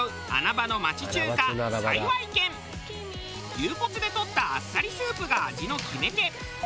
牛骨で取ったあっさりスープが味の決め手。